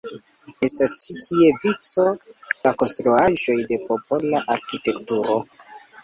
Estas ĉi tie vico da konstruaĵoj de popola arkitekturo.